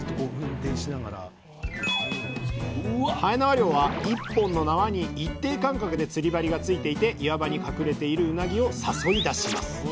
はえなわ漁は一本の縄に一定間隔で釣り針がついていて岩場に隠れているうなぎを誘い出します。